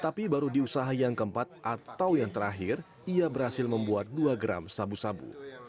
tapi baru di usaha yang keempat atau yang terakhir ia berhasil membuat dua gram sabu sabu